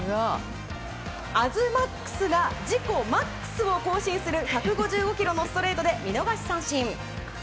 東ＭＡＸが自己ＭＡＸを更新する１５５キロのストレートで見逃し三振。